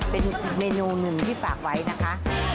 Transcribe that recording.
เป็นเมนูหนึ่งที่ติดปากไว้นะคะ